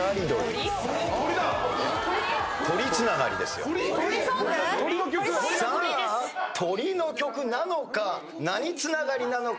・鳥ソング？さあ鳥の曲なのか何つながりなのか？